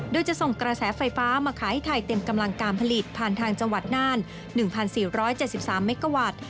โดยจะส่งกระแสไฟฟ้ามาขายให้ไทยเต็มกำลังการผลิตผ่านทางจังหวัดน่าน๑๔๗๓เมกาวัตต์